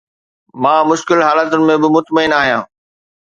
مان مشڪل حالتن ۾ به مطمئن آهيان